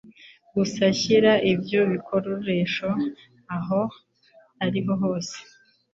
Gusa shyira ibyo bikoresho aho ariho hose.